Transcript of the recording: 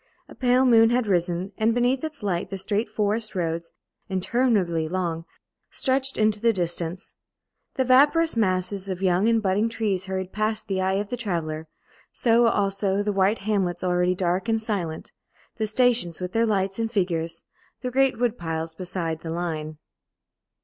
A pale moon had risen, and beneath its light the straight forest roads, interminably long, stretched into the distance; the vaporous masses of young and budding trees hurried past the eye of the traveller; so, also, the white hamlets, already dark and silent; the stations with their lights and figures; the great wood piles beside the line.